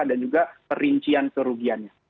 dan juga perincian kerugiannya